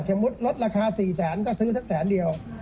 อ่ะชมุดรถราคาสี่แสนก็ซื้อสักแสนเดียว